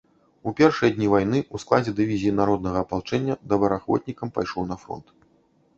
У першыя дні вайны ў складзе дывізіі народнага апалчэння добраахвотнікам пайшоў на фронт.